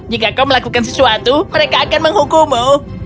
jika kau melakukan sesuatu mereka akan menghukummu